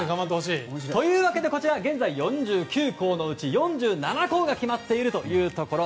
というわけで現在、４９校のうち４７校が決まっているというところ。